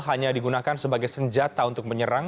hanya digunakan sebagai senjata untuk menyerang